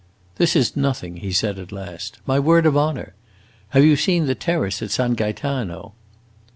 "This is nothing," he said at last. "My word of honor. Have you seen the terrace at San Gaetano?"